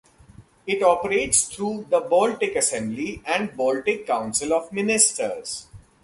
It operates through the Baltic Assembly and Baltic Council of Ministers.